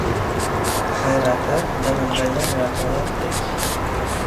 Hayrati dilimda yangrar oyatdek!